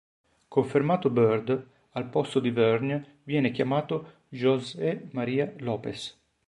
Confermato Bird, al posto di Vergne viene chiamato José María López.